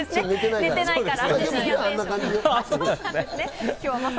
寝てないから。